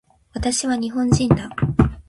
私は日本人だ